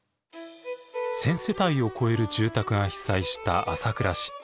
１，０００世帯を超える住宅が被災した朝倉市。